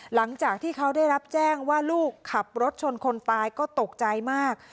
หลังจากที่เขาได้รับแจ้งว่าลูกขับรถชนคนตายก็ตกใจมาก